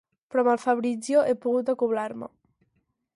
Però amb el Fabrizio he pogut acoblar-me.